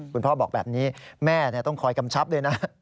พ่อบอกแบบนี้แม่ต้องคอยกำชับด้วยนะ